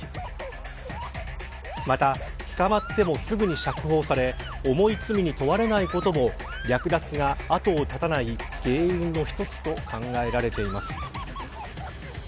また、捕まってもすぐに釈放され重い罪に問われないことも略奪が後を絶たない原因の一つと考えられています。